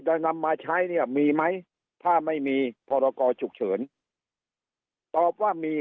นำมาใช้เนี่ยมีไหมถ้าไม่มีพรกรฉุกเฉินตอบว่ามี